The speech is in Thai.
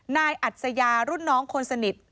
อัศยารุ่นน้องคนสนิท